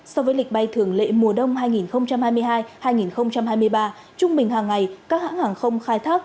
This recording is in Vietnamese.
so với lịch bay thường lệ mùa đông hai nghìn hai mươi hai hai nghìn hai mươi ba trung bình hàng ngày các hãng hàng không khai thác